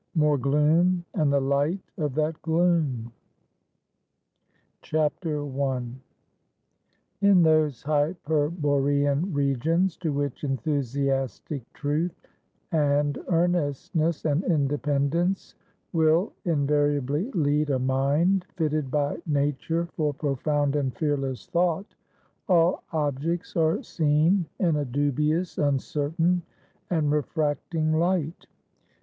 MORE GLOOM, AND THE LIGHT OF THAT GLOOM. I. In those Hyperborean regions, to which enthusiastic Truth, and Earnestness, and Independence, will invariably lead a mind fitted by nature for profound and fearless thought, all objects are seen in a dubious, uncertain, and refracting light.